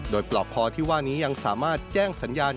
โดยปลอกคอที่ว่านี้ยังสามารถแจ้งสัญญาณ